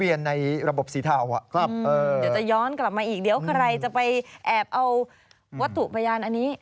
เดี๋ยวจะย้อนกลับมาอีกเดี๋ยวใครจะไปแอบเอาวัตถุพญานอันนี้